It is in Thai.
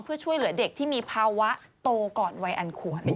เพื่อช่วยเหลือเด็กที่มีภาวะโตก่อนวัยอันควร